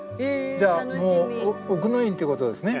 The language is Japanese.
じゃあもう奥の院ってことですね？